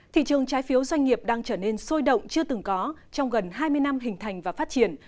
thị trường trái phiếu doanh nghiệp đang trở nên sôi động chưa từng có trong gần hai mươi năm hình thành và phát triển